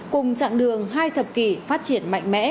cùng chặng đường hai thập kỷ phát triển mạnh mẽ